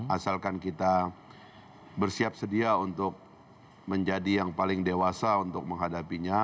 asalkan kita bersiap sedia untuk menjadi yang paling dewasa untuk menghadapinya